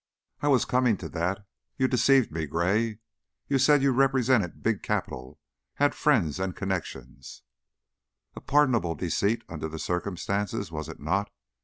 "I was coming to that. You deceived me, Gray. You said you represented big capital; had friends and connections " "A pardonable deceit, under the circumstances, was it not?